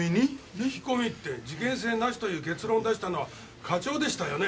聞き込みって事件性なしという結論を出したのは課長でしたよね？